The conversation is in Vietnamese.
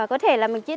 có hai lớp